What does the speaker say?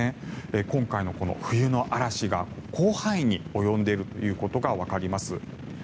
今回のこの冬の嵐が広範囲に及んでいるということがわかります。